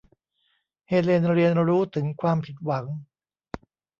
เฮเลนเรียนรู้ถึงความผิดหวัง